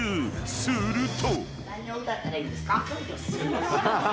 ［すると］